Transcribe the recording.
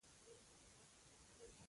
کوربه د ستونزو یاد نه کوي.